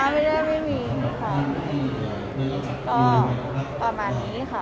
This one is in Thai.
ไม่ได้ไม่มีค่ะก็ต่อมานี้ค่ะ